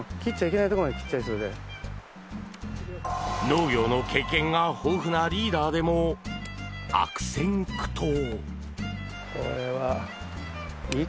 農業の経験が豊富なリーダーでも悪戦苦闘。